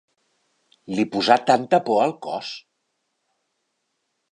Li posà tanta por al cos!